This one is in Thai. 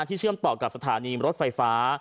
เชื่อมต่อกับสถานีรถไฟฟ้า